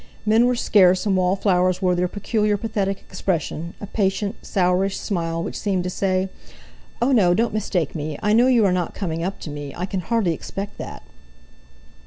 Men were scarce, and wallflowers wore their peculiar, pathetic expression, a patient, sourish smile which seemed to say: "Oh, no! don't mistake me, I know you are not coming up to me. I can hardly expect that!"